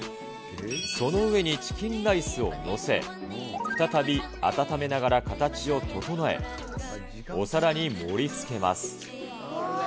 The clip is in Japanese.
その上にチキンライスを載せ、再び温めながら形を整え、お皿に盛りつけます。